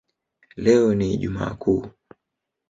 Leo ni ijumaa kuu